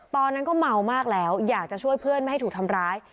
ตอนนั้นก็เมามากแล้วอยากจะช่วยเพื่อนไม่ให้ถูกทำร้าย